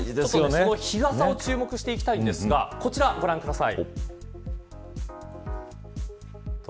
日傘に注目していきたいんですがこちらご覧ください。